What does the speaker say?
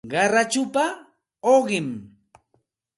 Qarachupa uqim